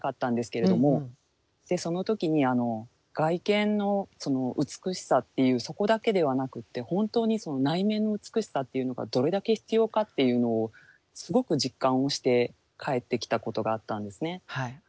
でその時に外見の美しさっていうそこだけではなくって本当に内面の美しさっていうのがどれだけ必要かっていうのをすごく実感をして帰ってきたことがあったんですね。